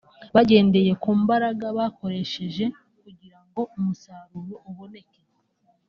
bagendeye ku mbaraga bakoresheje kugira ngo umusaruro uboneke